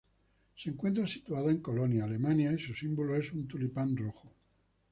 Se encuentra situada en Colonia, Alemania, y su símbolo es un tulipán rojo.